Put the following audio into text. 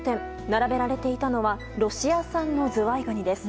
並べられていたのはロシア産のズワイガニです。